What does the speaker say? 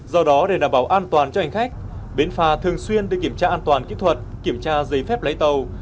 do đó để đảm bảo an toàn cho hành khách bến phà thường xuyên được kiểm tra an toàn kỹ thuật kiểm tra giấy phép lấy tàu